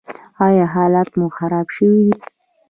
ایا حالت مو خراب شوی دی؟